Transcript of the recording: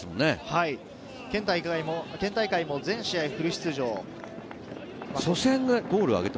県大会でも、全試合フル出場。